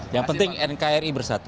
yang penting nkri bersatu